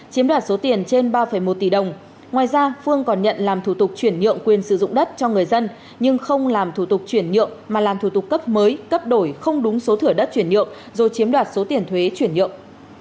chiếm đoạt số tiền trên ba một tỷ đồng ngoài ra phương còn nhận làm thủ tục chuyển nhượng quyền sử dụng đất cho người dân nhưng không làm thủ tục chuyển nhượng mà làm thủ tục cấp mới cấp đổi không đúng số thửa đất chuyển nhượng rồi chiếm đoạt số tiền thuế chuyển nhượng